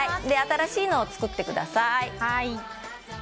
では、新しいのを作ってください。